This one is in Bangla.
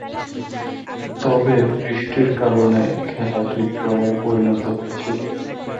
তবে, বৃষ্টির কারণে খেলাটি ড্রয়ে পরিণত হয়েছিল।